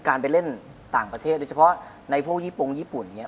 การไปเล่นต่างประเทศโดยเฉพาะในพวกยี่ปงญี่ปุ่นอย่างนี้